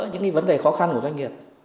những vấn đề khó khăn của doanh nghiệp